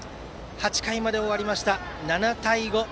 ８回まで終わりました、７対５。